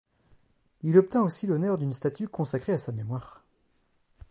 Il obtint aussi l'honneur d'une statue consacrée à sa mémoire.